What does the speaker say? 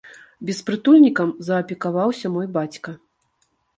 Беспрытульнікам заапекаваўся мой бацька.